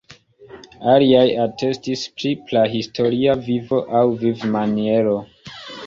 Aliaj atestis pri prahistoria vivo aŭ vivmaniero.